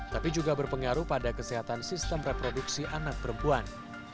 tapi juga berpengaruh pada kesehatan sistem reproduksi anak perempuan